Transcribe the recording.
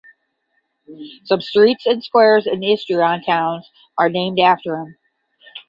Some streets and squares in Istrian towns are named after him.